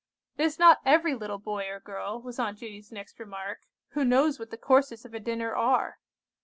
"It is not every little boy or girl," was Aunt Judy's next remark, "who knows what the courses of a dinner are."